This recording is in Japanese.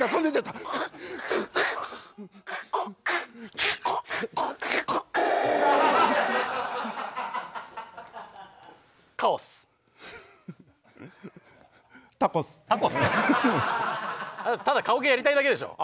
ただ顔芸やりたいだけでしょ。